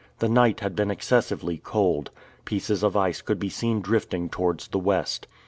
The night had been excessively cold; pieces of ice could be seen drifting towards the West.